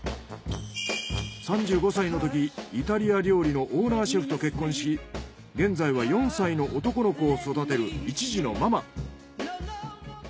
３５歳のときイタリア料理のオーナーシェフと結婚し現在は４歳の男の子を育てる１児のママ。